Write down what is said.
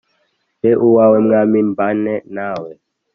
Mbe uwawe Mwami mbane nawe,